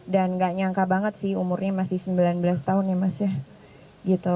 dan gak nyangka banget sih umurnya masih sembilan belas tahun ya mas ya